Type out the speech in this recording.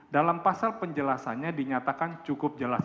dalam pasal penjelasannya dinyatakan cukup jelas